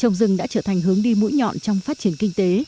trồng rừng đã trở thành hướng đi mũi nhọn trong phát triển kinh tế